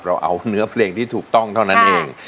เราเอาเนื้อเพลงที่ถูกต้องเท่านั้นเอง